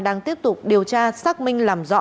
đang tiếp tục điều tra xác minh làm rõ